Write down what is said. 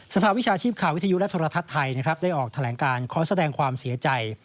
ภาวิชาชีพข่าววิทยุและโทรทัศน์ไทยนะครับได้ออกแถลงการขอแสดงความเสียใจ